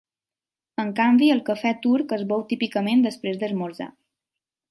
En canvi, el cafè turc es beu típicament després d'esmorzar.